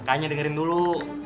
kayaknya dengerin dulu